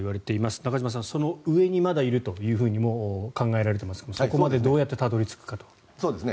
中島さん、その上にまだいるとも考えられていますがそこまでどうやってたどり着くかという。